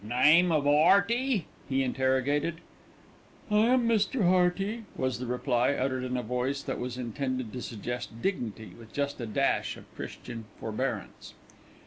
"Name of 'Earty?" he interrogated. "I am Mr. Hearty," was the reply, uttered in a voice that was intended to suggest dignity with just a dash of Christian forbearance.